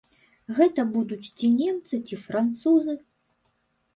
Гэта будуць, ці немцы, ці французы.